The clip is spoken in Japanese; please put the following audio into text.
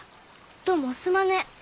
どうもすまね。